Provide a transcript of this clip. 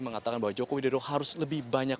mengatakan bahwa joko widodo harus lebih banyak